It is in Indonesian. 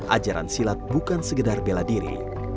ajaran silat bukan segedar bela diri